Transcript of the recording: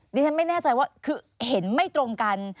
ดิฉันไม่แน่ใจว่าคือเห็นไม่ตรงกัน